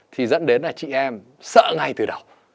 thì dẫn đến là chị em sợ ngay từ đầu